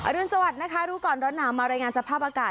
รุนสวัสดิ์นะคะรู้ก่อนร้อนหนาวมารายงานสภาพอากาศ